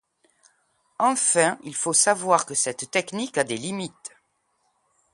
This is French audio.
Enfin, il faut savoir que cette technique a des limites.